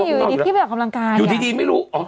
แล้วทำไมอยู่อยู่ดีที่ไปออกกำลังการอย่างอยู่ที่ดีไม่รู้อ๋อ